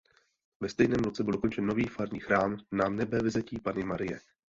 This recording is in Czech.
Ve stejném roce byl dokončen nový farní chrám Nanebevzetí Panny Marie.